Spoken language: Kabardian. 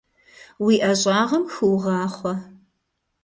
Уи ӀэщӀагъэм хыугъахъуэ!